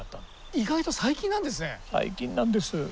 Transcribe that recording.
意外と最近なんですね。